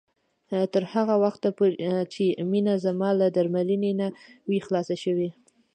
تر هغه وخته چې مينه زما له درملنې نه وي خلاصه شوې